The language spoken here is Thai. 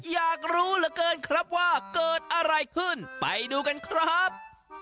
อยากรู้เหลือเกินครับว่าเกิดอะไรขึ้นไปดูกันครับ